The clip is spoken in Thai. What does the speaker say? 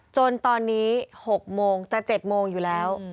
จนตอนนี้๖โมงจะ๗โมงอยู่แล้ว